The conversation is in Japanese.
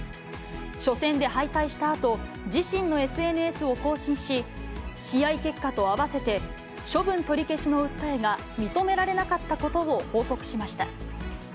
初戦で敗退したあと、自身のＳＮＳを更新し、試合結果と併せて、処分取り消しの訴えが認められなかったことを報告しました。